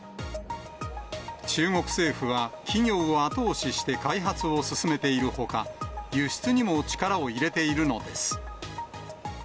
中国政府は、企業を後押しして開発を進めているほか、輸出にも力を入れているのです。